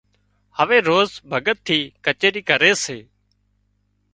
هوي هروز ڀڳت ٿِي ڪچيرِي ڪري سي